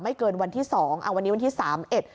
เกินวันที่สองอ่าวันนี้วันที่สามเอ็ด